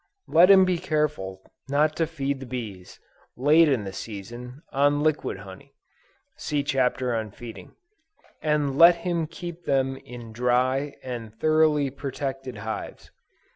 Let him be careful not to feed his bees, late in the season, on liquid honey, (see Chapter on Feeding,) and let him keep them in dry and thoroughly protected hives.